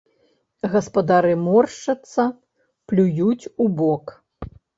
Гаспадары моршчацца, плююць убок.